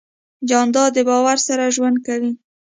جانداد د باور سره ژوند کوي.